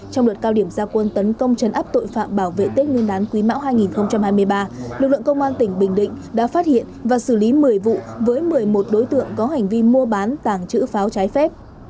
trong đợt cao điểm gia quân tấn công chấn áp tội phạm bảo vệ tết nguyên đán quý mão hai nghìn hai mươi ba lực lượng công an tỉnh bình định đã phát hiện và xử lý một mươi vụ với một mươi một đối tượng có hành vi mua bán tàng trữ pháo trái phép